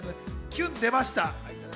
キュン出ました。